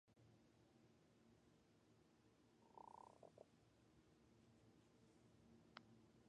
About thirty million dollars was stolen over the time the botnet was in use.